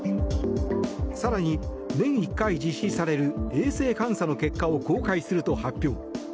更に、年１回実施される衛生監査の結果を公開すると発表。